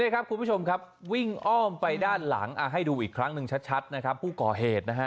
คุณผู้ชมครับวิ่งอ้อมไปด้านหลังให้ดูอีกครั้งหนึ่งชัดนะครับผู้ก่อเหตุนะฮะ